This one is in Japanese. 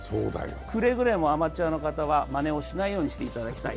くれぐれもアマチュアの方はまねをしないようにしていただきたい。